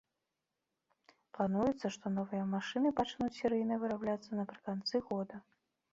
Плануецца, што новыя машыны пачнуць серыйна вырабляцца напрыканцы года.